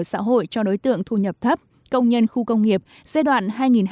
xã hội cho đối tượng thu nhập thấp công nhân khu công nghiệp giai đoạn hai nghìn hai mươi một hai nghìn ba mươi